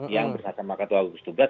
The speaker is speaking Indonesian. yang bersama ketua gugus tugas